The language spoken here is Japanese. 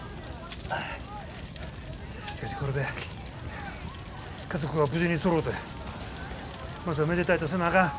しかしこれで家族が無事にそろうてまずおめでたいとせなあかん。